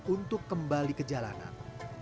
untuk kembali ke jalanan